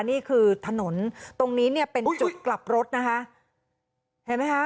นี่คือถนนตรงนี้เนี่ยเป็นจุดกลับรถนะคะเห็นไหมคะ